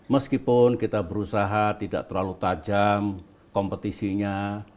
meskipun kita berusaha tidak terlalu tajam kompetisinya